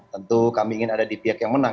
tentu kami ingin ada di pihak yang menang